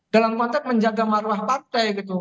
dalam konteks menjaga maruah partai